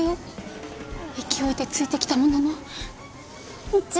勢いでついてきたものの市松怖すぎ！